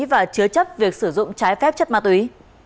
và chứa chấp việc sử dụng trái phép chất ma túy